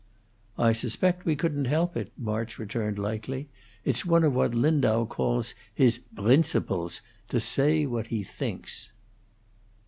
"I suspect we couldn't help it," March returned, lightly. "It's one of what Lindau calls his 'brincibles' to say what he thinks."